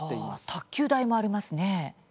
卓球台もありますね。